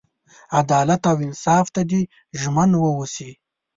عدالت او انصاف ته دې ژمن ووسي.